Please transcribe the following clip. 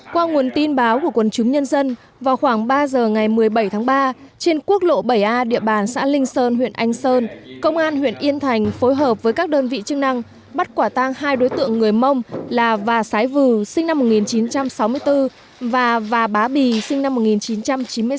qua nguồn tin báo của quân chứng nhân dân vào khoảng ba giờ ngày một mươi bảy tháng ba trên quốc lộ bảy a địa bàn xã linh sơn huyện anh sơn công an huyện yên thành phối hợp với các đơn vị chức năng bắt quả tang hai đối tượng mua bán trái phép năm bánh heroin ma túy đá và hơn hai viên ma túy tổng hợp